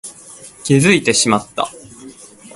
気づいてしまった